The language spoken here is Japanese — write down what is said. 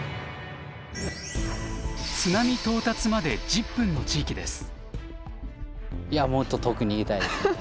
津波到達まで１０分の地域です。